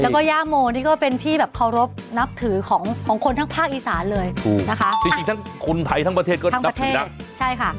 แล้วก็ย่าโมนี่ก็เป็นที่แบบเคารพนับถือของของคนทั้งภาคอีสานเลยถูกนะคะจริงจริงทั้งคนไทยทั้งประเทศก็นับถือนะใช่ค่ะ